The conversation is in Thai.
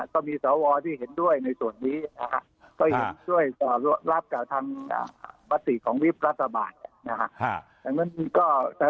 ก็มีสวที่เห็นด้วยในส่วนนี้นะฮะก็เห็นช่วยรับกับทางมติของวิบรัฐบาลเนี่ยนะฮะ